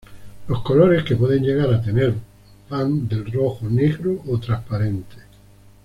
Los colores que pueden llegar a tener van del rojo, negro o transparente.